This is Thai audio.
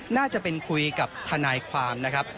น่าจะเป็นคุยกับทนายความนะครับ